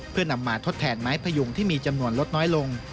เพื่อนำมาทดแทนไม้พยุงที่มีจำนวนลดน้อยลง